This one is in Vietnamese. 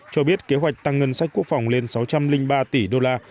cho biết kế hoạch tăng ngân sách quốc phòng lên sáu trăm linh ba tỷ đô la